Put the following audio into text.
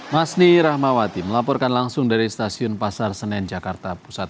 masni rahmawati melaporkan langsung dari stasiun pasar senen jakarta pusat